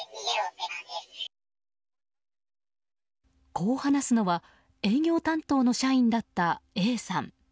こう話すのは営業担当の社員だったＡさん。